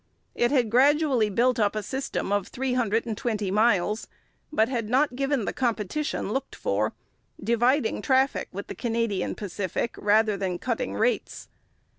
It had gradually built up a system of three hundred and twenty miles, but had not given the competition looked for, dividing traffic with the Canadian Pacific rather than cutting rates.